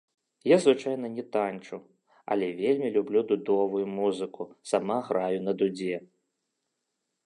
Я звычайна не таньчу, але вельмі люблю дудовую музыку, сама граю на дудзе.